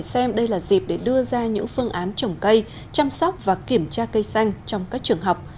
xem đây là dịp để đưa ra những phương án trồng cây chăm sóc và kiểm tra cây xanh trong các trường học